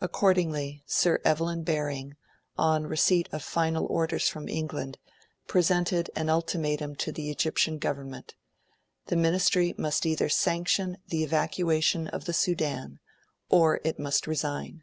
Accordingly, Sir Evelyn Baring, on receipt of final orders from England, presented an ultimatum to the Egyptian Government: the Ministry must either sanction the evacuation of the Sudan, or it must resign.